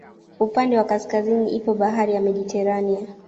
Upande wa kaskazini ipo bahari ya Mediterania